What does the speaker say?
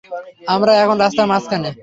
আমরা এখন রাস্তার মাঝখানে।